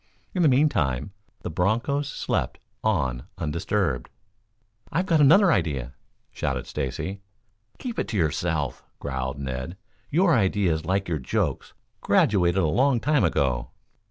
In the meantime, the bronchos slept on undisturbed. "I've got another idea," shouted Stacy. "Keep it to yourself," growled Ned. "Your ideas, like your jokes, graduated a long time ago."